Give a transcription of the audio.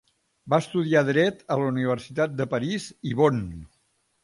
Va estudiar dret a la Universitat de París i Bonn.